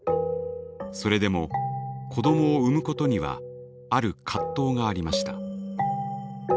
それでも子どもを産むことにはある葛藤がありました。